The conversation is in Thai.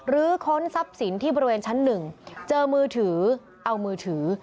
ค้นทรัพย์สินที่บริเวณชั้นหนึ่งเจอมือถือเอามือถือ